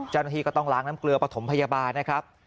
เจ้าหน้าที่ก็ต้องล้างน้ำเกลือปฐมพยาบาลนะครับ